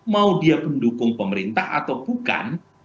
mau dia pendukung pemerintah atau bukan